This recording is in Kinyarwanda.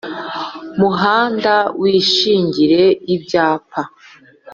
Muhanda wishingire ibyapa